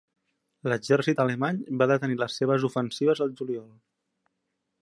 L'exèrcit alemany va detenir les seves ofensives al juliol.